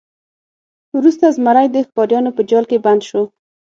وروسته زمری د ښکاریانو په جال کې بند شو.